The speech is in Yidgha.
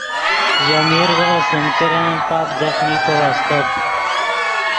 ژے میرغے سیم کرن پاپ ځخمیکو استت